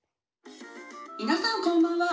「みなさんこんばんは。